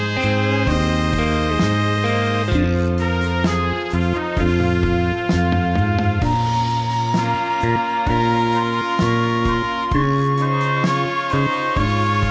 นี่คืออินโทรเพลง๑๕๐๐๐บาทค่ะ